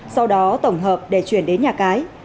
sau đó tổng hợp để chuyển đến nhà cái